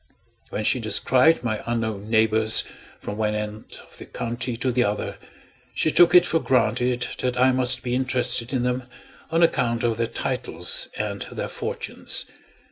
When she described my unknown neighbors, from one end of the county to the other, she took it for granted that I must be interested in them on account of their titles and their fortunes.